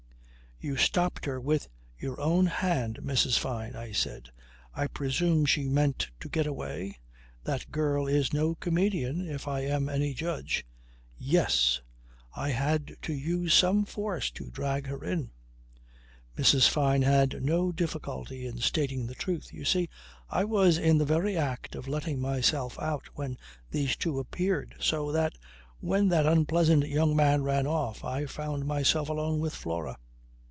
"You stopped her with your own hand, Mrs. Fyne," I said. "I presume she meant to get away. That girl is no comedian if I am any judge." "Yes! I had to use some force to drag her in." Mrs. Fyne had no difficulty in stating the truth. "You see I was in the very act of letting myself out when these two appeared. So that, when that unpleasant young man ran off, I found myself alone with Flora.